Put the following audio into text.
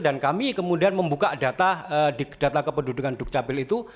dan kami kemudian membuka data ke pendudukan dukcapil itu